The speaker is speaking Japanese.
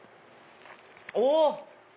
お！